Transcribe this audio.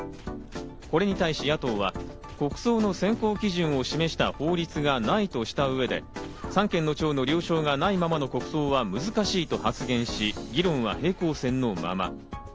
これに対し野党は、国葬の選考基準を示した法律がないとした上で、三権の長の了承がないままの国葬は難しいと発言し、議論は平行線のまま。